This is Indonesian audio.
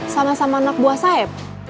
sama sama anak buah saya